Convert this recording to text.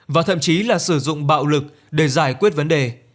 và thậm chí là sử dụng bạo lực để giải quyết vấn đề